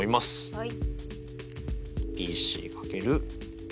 はい。